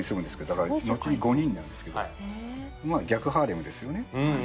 だからのちに５人になるんですけどまあ逆ハーレムですよね。